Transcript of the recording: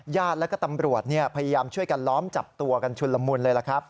แล้วก็ตำรวจพยายามช่วยกันล้อมจับตัวกันชุนละมุนเลยล่ะครับ